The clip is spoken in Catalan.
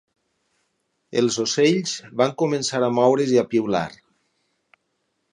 Els ocells van començar a moure's i a piular.